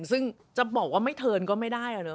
ซึ่งจะบอกว่าไม่เทินก็ไม่ได้อะเนาะ